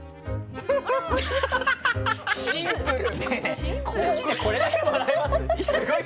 シンプル。